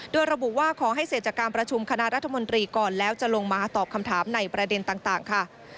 โดยระบุว่าขอให้เสร็จจากการประชุมคณะรัฐมนตรีก่อนแล้วจะลงมาตอบคำถามในประเด็นต่างค่ะ